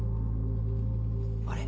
あれ？